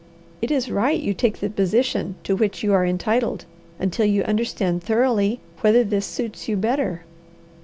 It is right you take the position to which you are entitled, until you understand thoroughly whether this suits you better.